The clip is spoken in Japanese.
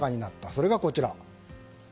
それが、こちら。